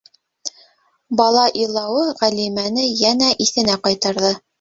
Бала илауы Ғәлимэне йәнә иҫенә ҡайтарҙы.